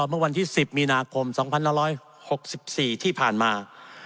เมื่อวันที่๑๐มีนาคม๒๑๖๔ที่ผ่านมา